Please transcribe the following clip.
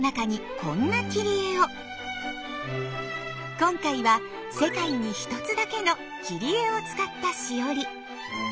今回は世界に一つだけの切り絵を使ったしおり。